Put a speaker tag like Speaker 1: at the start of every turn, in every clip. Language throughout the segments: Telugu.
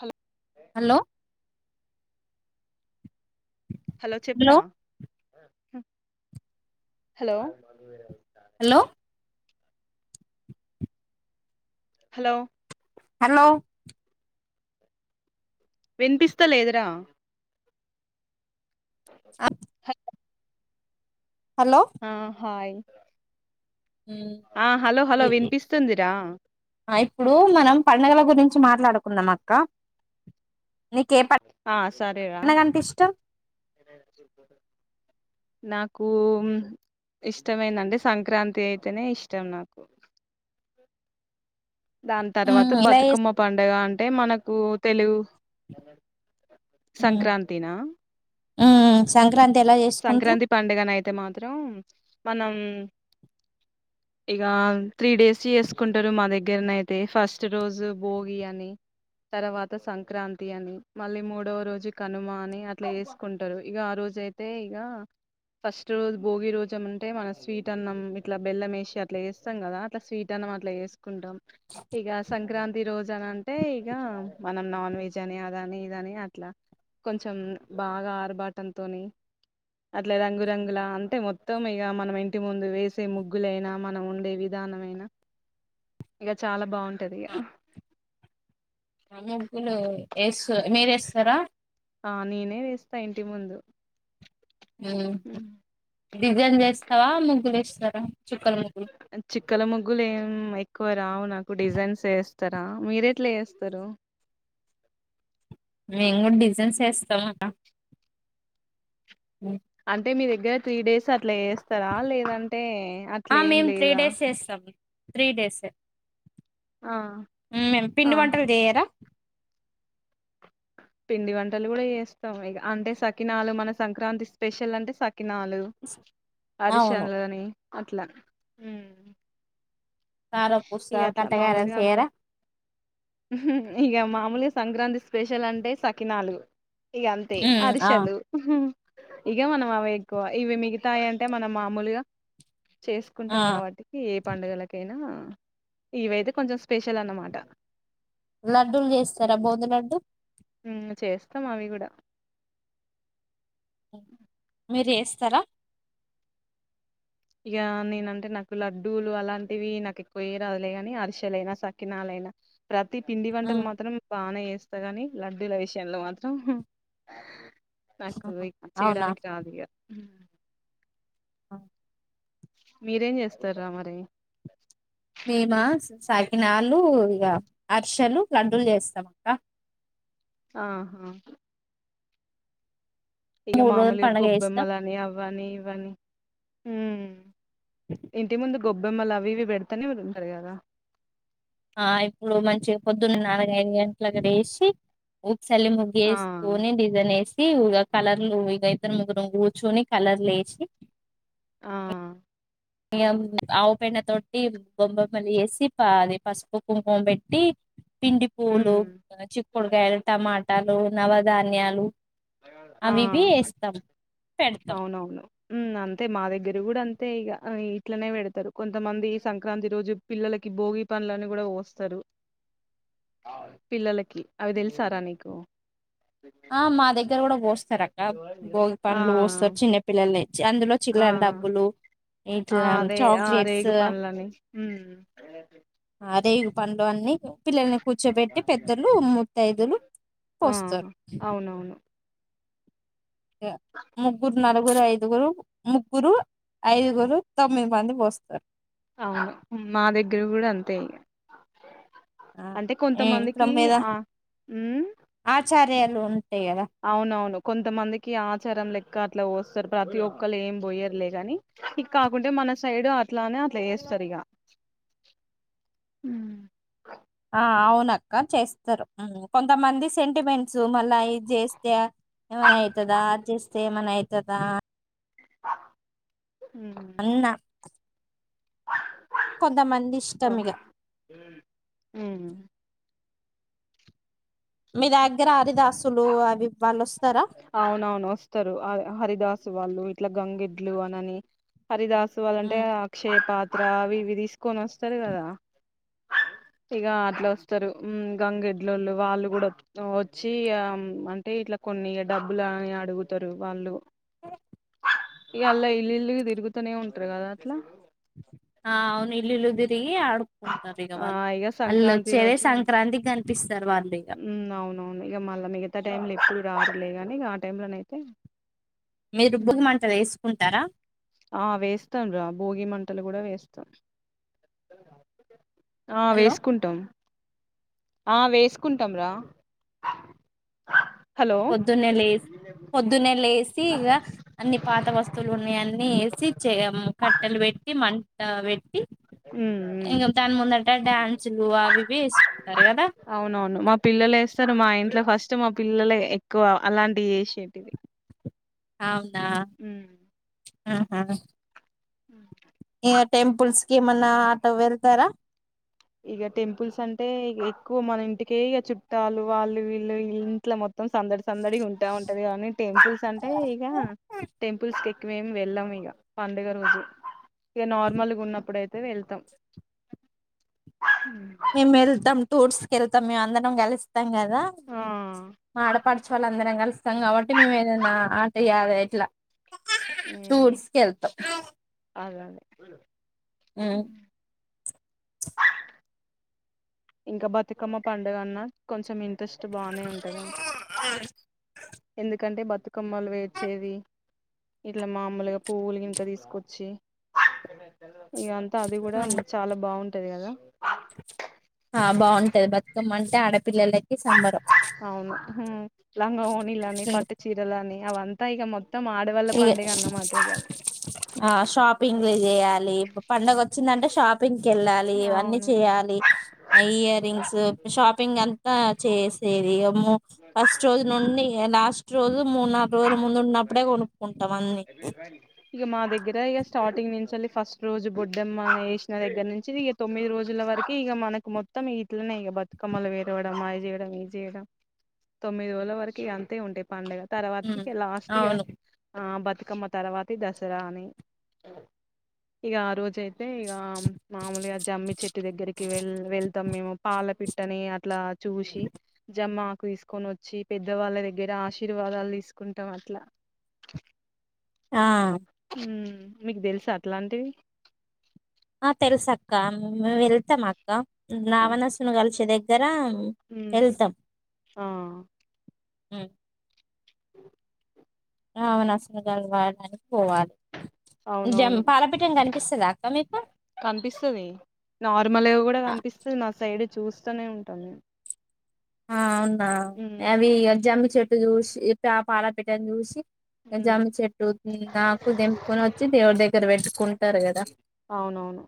Speaker 1: Hello
Speaker 2: hello!
Speaker 1: హలో చెప్పు రా హు హలో
Speaker 2: హలో
Speaker 1: హలో
Speaker 2: హలో
Speaker 1: వినిపిస్తాలేదు రా
Speaker 2: హలో
Speaker 1: ఆ హాయ్ ఆహ హలో హలో వినిపిస్తుందిరా,
Speaker 2: ఇప్పుడు మనం పండుగల గురించి మాట్లాడుకుందాం అక్క నీకు ఏ
Speaker 1: ఆ సరేరా
Speaker 2: పండగంటే ఇష్టం,
Speaker 1: నాకు ఇష్టమైందంటే సంక్రాంతి అయితేనే ఇష్టం నాకు దాని తర్వాత
Speaker 2: ఎలా
Speaker 1: బతుకమ్మ పండుగ అం అంటే మనకు తెలు సంక్రారాంతిన
Speaker 2: ఆహ్ సంక్రాంత్
Speaker 1: సంక్రాంతి పండుగన అయితే మాత్రం మనం ఇక త్రీ డేస్ చేసుకుంటారు మా దగ్గరనయితే ఫస్ట్ రోజు భోగి అని తర్వాత సంక్రాంతి అని మళ్ళీ మూడవ రోజు కనుమ అని అట్లా చేసుకుంటారు ఇక ఆ రోజు అయితే అే ఇక ఫస్ట్ రోజు భోగి రోజ అంటే మనం స్వీట్ అన్నం ఇట్లా బెల్లం వేసి అట్లా వేస్తాం కదా అట్లా స్వీట్ అన్నం అట్లా వేసుకుంటాం ఇక సంక్రాంతి రోజు అని అంటే ఇక మనం నాన్ వెజ్ అని అదని ఇదని అట్లా కొంచెం బాగా ఆర్బాటంతోని అట్లా రంగురంగుల అంటే మొత్తం ఇగ మనం ఇంటి ముందు వేసే ముగ్గులైనా మనం ఉండే విధానమైన ఇగ చాలా బాగుం
Speaker 2: అప్పుడు ఎస్ మీరేస్తారా
Speaker 1: ఆహ్ నేనే వేస్తా ఇంటి ముందు
Speaker 2: అమ్ డిజైన్ చేస్తావా ముగ్గులు ఏస్తారా
Speaker 1: చిక్కల ముగ్గులు ఏం కోల్ రావు నాకు డిజైన్స్ వేస్త వస్తారా మీర ఎట్లా వస్తారు
Speaker 2: మేము కూడా డిజైన్స్ వేస్తాం గద అమ్
Speaker 1: అంటే మీ దగ్గర త్రీ డేస్ అట్లా చేస్తారా లేదంటే అట్లేం
Speaker 2: మేము త్రీ
Speaker 1: లేదా
Speaker 2: డేస్ వేస్తాం త్రీ డేస్
Speaker 1: ఆ
Speaker 2: మే పిండి
Speaker 1: ఆహా
Speaker 2: వంటారుదియరా
Speaker 1: పిండి వంటలు కూడా చేస్తాం ఇ అంటే సకినాలు మన సంక్రాంతి స్పెషల్ అంటే సకి కినాలు
Speaker 2: అవును
Speaker 1: అరిళలని అట్లా అమ్
Speaker 2: కారపూస
Speaker 1: ఇగ అట్లా
Speaker 2: కట్టగారలు
Speaker 1: మామూలుగా అందర్
Speaker 2: చేయరా
Speaker 1: ఇగ మామూలుగా సంక్రాంతి స్పెషల్ అంటే సకినాలు ఇగంతే
Speaker 2: ఆ
Speaker 1: అరిశలు ఇగ మనం అవి ఎక్కువ ఇవి మిగితాయి అంటే మనం మామూలుగా చేసుకుంటాం
Speaker 2: ఆ
Speaker 1: కాబట్టి ఏ పడుగలకైనా ఇవైతే కొంచం స్పెషల్ అనమాట
Speaker 2: లడ్డూలు చేస్తారా బోంది లడ్డూ
Speaker 1: అమ్ చేస్తాం అవి కూడా
Speaker 2: మీరేస్ సర
Speaker 1: ఇగ నేనంటే నాకు లడ్డూలు అలాంటివి నాకు ఎక్కువ ఏయ్ రావులే గాని అరిశలైనా సకినాలైనా ప్రతి పిండి వంటలు మాత్రం బానే జేస్ వస్త ని లడ్డూల విషయంలో మాత్రం నాకు ఇ
Speaker 2: అవునా
Speaker 1: చేయడానికి రాదు ఇగా
Speaker 2: ఆ
Speaker 1: మీరేం చేస్తారా మరి
Speaker 2: మేము సాకినాలు ఇక అరిసలు లడ్డూలు చేస్తాం అ
Speaker 1: ఆహా! ఇక
Speaker 2: మూడు రోజులు
Speaker 1: మామూలుగా
Speaker 2: పండుగ చేస్తాం
Speaker 1: గొబ్బెమలాని అవ్ అవని ఇవని యుగం ఇంటి ముందు గొబ్బెమ్మలవి ఇవి పెడతానే ఉరు ఉంటాది కదా
Speaker 2: ఆ ఇప్పుడు మంచిగా పొద్దున్న నాలుగ ఐదు గంటలుక్కడ వేసి సలి
Speaker 1: ఆ
Speaker 2: ముగ్గేస్కోని డిజైన్ వేసి ఉగ కలర్లు ఇగ ఇద్దరం ముగ్గురం కూర్చోని కలర్లు ఏసి
Speaker 1: ఆహ్
Speaker 2: ఇగ ఆవు పెండతోటి బొబ్బెమ్మలు చేసి అది పసుపు కుంకుం పెట్టి పిండి, పూలు,
Speaker 1: ఉమ్
Speaker 2: చిక్కుడుకాయలు, టమాట ట్టాలు నవధాన్యాలు అవి ఇవి
Speaker 1: ఆహ్
Speaker 2: వేస్తాం పెడతాం
Speaker 1: అవునవును ఉమ్ అంతే మా దగ్గర కూడా అంత్ అతే ఇగ ఇట్లనే పెడతారు కొంతమంది సంక్రాంతి రోజు పిల్లలకి భోగి పనులని కూడా పోస్తారు పిల్లలకి అవి తెలుసారా నీకు
Speaker 2: ఆ మాదగ్ ద్దరు కూడా పోస్తారు అక్క భోగి
Speaker 1: ఆ
Speaker 2: పనుడ్లు పోస్తారు చిన్న పిల్లలు ఇచ్చి అందులో
Speaker 1: ఆ
Speaker 2: చిల్లర డబ్బులు
Speaker 1: ఆ
Speaker 2: ఇట్లా
Speaker 1: అదే ఆ
Speaker 2: చాక్లెట్స్
Speaker 1: రేగు పనులని ఉమ్
Speaker 2: అదే ఇగు పండ్లు అన్ని. పిల్లల్ని కూర్చోబెట్టి పెద్దలు మూతైదులు
Speaker 1: ఆ
Speaker 2: పోస్తారు.
Speaker 1: అవునవును
Speaker 2: ఇగ ముగ్గురు నాలుగు ముగురు ఐదుగురు ముగ్గురు ఐదుగురు తొమ్మిది మంది పోస్తారు
Speaker 1: అవును మా దగ్గర కూడా అంతే ఇగ. అంటే
Speaker 2: ఇప్పుడు
Speaker 1: కొంతమందికి
Speaker 2: మీద
Speaker 1: ఆ ఉమ్మ్
Speaker 2: దేలు ఉ
Speaker 1: అవునవును కొంతమందికి ఆచారం లే క్క అట్లా పోస్తారు ప్రతి ఒక్కళ్రుు ఏం పోయరులే ని ఇక కాకుంటే మన సైడ్ అట్లానే అట్లా వేస్తారు ఇక
Speaker 2: ఆ అవున అక్క చేస్తారు కొంతమంది సెంటిమెంట్స్ మళ్ళా ఇది చేస్తే ఏవన్నా అయితాద చెస్. ఏమన్నా అయితుదా అన్నా
Speaker 1: ఓ...
Speaker 2: ఇష్టం ఇగ
Speaker 1: ఉమ్...
Speaker 2: మీ దాగ్. దగ్గర ఆరిదాసులు అవి వాళ్ళు వస్తారా.
Speaker 1: అవునవును వస్తారు హరిదాసు వాళ్ళు ఇట్లా గంగిడ్లు అనని. హరిదాసు వాళ్ళంటే
Speaker 2: ఉమ్,
Speaker 1: ఆక్షయపా అవి ఇవి తీసుకొని వస్తారు కదా ఇక అట్లా వస్తరు గంగెడ్లళ్ళు వాళ్ళు కూడా వచ్చి ఆమ్.. అంటే ఇట్లా కొన్ని డబ్బులని అడుగుతారు వాళ్ళు ఇ అలా ఇల్లు ఇల్ తిరుగుతనే ఉంటారు కదా అట్లా
Speaker 2: ఆ అవును ఇల్లు ఇల్లు తిరిగ్. ఆడుకుంటారు ఇక
Speaker 1: ఆ
Speaker 2: వాళ్ళు
Speaker 1: ఇక
Speaker 2: వాళ్ళు
Speaker 1: సంక్రాంతి
Speaker 2: వచ్చేదె
Speaker 1: రోజే
Speaker 2: సంక్రాంతి కనిపిస్తారు వాళ్ళు ఇక
Speaker 1: అత్త టైంలో ఎప్పుడు రారు లె గానీ ఆ టైంలోనైతే
Speaker 2: మీరుభొగి మంటలు వేసుకుంటారా.
Speaker 1: ఆ వేస్తాను రా భోగి మంటలు కూడా వేస్తాం ఆ
Speaker 2: హలో
Speaker 1: వేసుకుంటాం ఆ వేసుకుంటాం రా. హలో
Speaker 2: పొద్దున్నేలెస్ పొద్దున్నే లేసి ఇక అన్ని పాత వస్తువులు ఉన్నాయన్నీ ఏసి చెఎమ్ కట్టెలు పెట్టి మంట పెట్టి.
Speaker 1: ఉమ్
Speaker 2: ఇంక దాని ముందట డ్యాన్సులు అవివి వేసుకుంటారు కదా
Speaker 1: ఇప్పుడు మా ఇంట్లో ఫస్ట్ మా పిల్లలే ఎక్కువ అలాంటివి చేసేటిది
Speaker 2: అమ్
Speaker 1: మ్.
Speaker 2: [unintelligible] ఇ టెంపుల్స్ కి ఏమన్నా అటు వెళ్తారా.
Speaker 1: ఇక టెంపుల్స్ అంటే ఎక్కువ మన ఇంటికే ఇ చుట్టాలు వాళ్ళు వీళ్ళు ఇ ఇంట్లో మొత్తం సందడి సందడి ఉంటా ఉంటది కానీ టెంపుల్స్ అంటే ఇక టెంపుల్స్ క మేము వెళ్ళాం ఇగ పండుగ రోజు ఇగ నార్మల్గా ఉన్నప్పుడుయితే వెళ్తాం.
Speaker 2: మేమెల్తం టూర్స్ కెళ్తాం మేము అందరం కలిసి తాం కదా
Speaker 1: ఆ
Speaker 2: మా ఆడపడుచు వాళ్ళందరం కలిసి. ఇస్తాం కాబట్టి మేము ఏదైనా ఆటయాలి ఎట్లా
Speaker 1: ఉమ్
Speaker 2: టూర్స్ కి ఎల్తం.
Speaker 1: [unintelligible] అ [inaudible] ఇంకా బతుకమ్మ పండుగన్నా కొంచెం ఇంటి ఇట్రస్ట్ బానే ఉంటది ఎందుకంటే బ బతుకమ్మలు పెర్చేది ఇట్లా మామలుగా పువ్వులు గినకా తీసుకొచ్చి. ఇగ అంతా అది కూడా చాలా బాగుంటది కదా.
Speaker 2: ఆ బాగుంటది బతుకమ్మ అంటే ఆడపిల్లలకి సంబరం
Speaker 1: అవును. హుం లంగ ఓణిలని పట్టు చీరలనీ అవంతా ఇగ మొత్త. ఆడవాళ్ళ
Speaker 2: ఇ
Speaker 1: పండుగ అన్నమాట
Speaker 2: షాపింగ్లు చేయాలి పండగ వచ్చిందంటే షాపింగ్ వెళ్ళాలి ఇవన్నీ
Speaker 1: అవును
Speaker 2: చేయాలి ఇయర్ రింగ్స్ షాపింగ్ అంతా చేసే దిఎం మో ఫస్ట్ రోజు నుండి ఇగ లాస్ట్. రోజు మూ నాలు రోజుల ముందు ఉన్నప్పుడే కొను
Speaker 1: ఇగ మా దగ్గర ఇగ స్టార్టింగ్. నుంచిల్లి ఫస్ట్ రోజు బొడ్డమ్మ వేసిన దగ్గర నుంచి ఇక తొమ్మిది రోజుల వరకు ఇక మన మొత్తం ఇట్లానే ఇక బతుకమ్మలు పేరవడం అ చేయడం ఇ చేయడం తొమ్మిది రోజుల వరకి ఇ అంతే ఉంటాయి పంగ తర్వాతకి
Speaker 2: ఉమ్
Speaker 1: లాస్ట్ ఇగ
Speaker 2: అవును
Speaker 1: ఆహ్ బాత్. బతుకమ్మ తర్వాతి దసరా అని ఇగ ఆ రోజుయితే అయితే ఇక మామూలుగా జమ్మి చెట్టు దగ్గరికి వె వెళ్తాం మేము పాలపి ట్టని అట్లా చూసి జమ్మా కు తీసుకొని వచ్చి పెద్దవాళ్ళ దగ్గర ఆశీర్ ఆశీర్వాదాలు తీసుకుంటాం అట్లా.
Speaker 2: ఆ
Speaker 1: హ్మ్ మీకు తెలుస అట్లాంటివి.
Speaker 2: ఆ తెలుస అక్క మ వెళ్తాం అక్క నావా నాసున్ గాల్ చెద. జరా
Speaker 1: ఆ
Speaker 2: ఉం
Speaker 1: ఊ ఊ. [inaudible]
Speaker 2: అవున అసలు వాడని.
Speaker 1: అవునవును
Speaker 2: పాలపీఠం కనిపిస్తదా అక్క మీకు
Speaker 1: కనిపిస్తుంది నార్మల్ కూడా
Speaker 2: ఆ
Speaker 1: కనిపిస్తుంది నా సైడ్ చూస్తూనే ఉంటాం మేము
Speaker 2: ఆను
Speaker 1: మ్మ్
Speaker 2: ఎయావి అ జామా చెట్టు ఇటు చూసి ఇట్ట పాలపిట్టని చూసి.
Speaker 1: మ్మ్
Speaker 2: జామ చెట్టు ఆకు తేపుకొని వచ్చి దేవుడి దెగ్గ దగ్గర పెట్టుకుంటారు కదా.
Speaker 1: అవునవును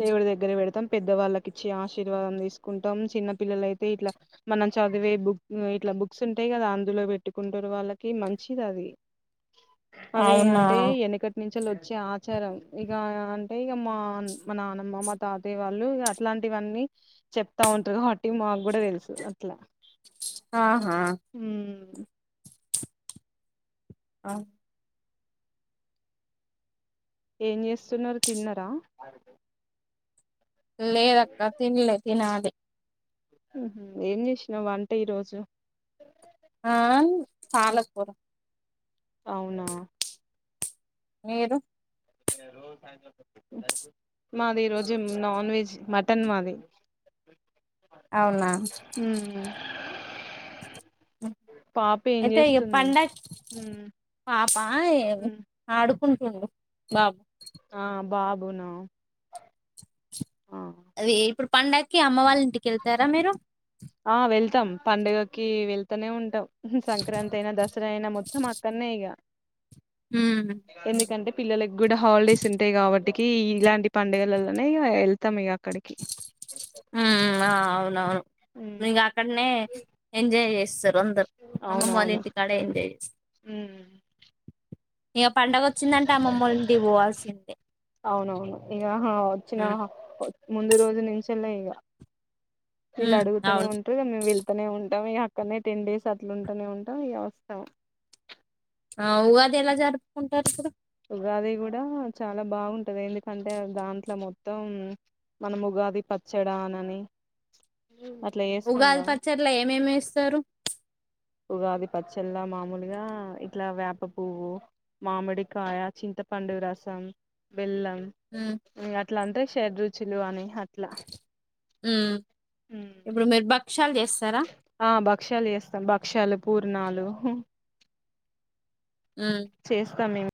Speaker 1: దేవుడి దగ్గర పెడతాం పెద్దవాళ్ళకి ఇచ్చి ఆశీర్వాదం తీసుకుంటాం చిన్న పిల్లలయితే ఇట్లా మనం చదివే బుక్ ఇట్లా బుక్స్ ఉంటాయి కదా అందులో పెట్టుకుంటారు వాళ్ళకి మంచిదది అవి
Speaker 2: అవునా
Speaker 1: అంటే వెనుకటి నుంచిలు వచ్చే ఆచారం ఇక పై మాన్. మా నానమ్మ మా తాతయ్య వాళ్ళు అట్లాంటి అవన్నీ చెప్తా ఉంటారు కాబట్టి మా. కూడా తెలుసు అట్లా
Speaker 2: ఆహా
Speaker 1: హ్మ్.
Speaker 2: ఆహ.
Speaker 1: ఏం చేస్తున్నారు తిన్నారా.
Speaker 2: లేదక్క తినలే తినాలి
Speaker 1: ఏం చేసినావు వంట ఈ రోజు
Speaker 2: ఆ పాలకూర.
Speaker 1: అవునా
Speaker 2: మీరు
Speaker 1: మాది ఈరోోజు నాన్ వెజ్ మటన్ మాది
Speaker 2: అవున.
Speaker 1: ఉమ్, పాప ఏం
Speaker 2: అయితే
Speaker 1: చేస్తుంది
Speaker 2: పండా
Speaker 1: మ్మ్
Speaker 2: పాప
Speaker 1: మ్మ్
Speaker 2: ఆడుకుంటూ. బబా
Speaker 1: ఆ బాబు నా.
Speaker 2: పంండగకి అమ్మ వాళ్ళ ఇంటికి వెళ్తారా మీరు
Speaker 1: ఇష్టం పండుగకి వెళ్తూనే ఉంటాం. సంక్రాంతి అయినా దసరా అయినా మొత్తం అక్కనే ఇగ.
Speaker 2: ఉమ్
Speaker 1: ఎందుకంటే పిల్లలకి కూడా హాలీడేస్ ఉంటాయి కాబట్టి. ఇంటికి ఇలాంటి పండుగలలోనే వెళ్తాం ఈగ.
Speaker 2: మ్మ్ ఆవు అవును.
Speaker 1: ఉమ్
Speaker 2: మీకా అక్కడనే ఎంజాయ్ చే సర్ సొందర్
Speaker 1: అవునవును
Speaker 2: అమ్మమ్మాలంటి కడ అంట
Speaker 1: మ్మ్
Speaker 2: ఈఖ పండగ వచ్చిందంటే అమ్మమ్మ ఇంటికి పోవాల్సిందే.
Speaker 1: అవునవును ఇగ వచ్చిన ముందు రోజు నింషెలా ఈగ వీళ్ళు
Speaker 2: ఉమ్
Speaker 1: అడుగుతనే
Speaker 2: అవును
Speaker 1: ఉంటరు ఇగ మేమ్ వెళ్తనే ఉంటం ఇగా. కానే టెన్ డేస్ అట్లుంటనే ఉంటం ఇగా వస్తం.
Speaker 2: ఆ ఉగాది ఎలా జరుపుకుంటారు ఇపుడు.
Speaker 1: ఉగాది గూడా చాలా బాగుంటది. ఎందుకంటే దాంట్లో మొత్తం, మనం ఉగాది పచ్చడా అనని. అట్లా చేస్తాం
Speaker 2: ఉగాది
Speaker 1: కదా
Speaker 2: పచ్చడ్ల ఏమేమి ఏస్తరు.
Speaker 1: ఉగాది పచ్చడ్ల మామూలుగా ఇట్లా వేప పువ్వు, మామిడికాయ, చింతపండు రసం, బెల్లం.
Speaker 2: ఉమ్
Speaker 1: ఇంగట్ ఇట్లంటే షడ్ రుచులు అని. అట్లా
Speaker 2: హ్మ్ ఇప్పుడు మీర్ బక్ క్షల్ చే
Speaker 1: ఆ బక్షాల్ చేస్తాం భక్షాలు పూర్ నాలు
Speaker 2: ఉమ్
Speaker 1: చేస్తామేమ్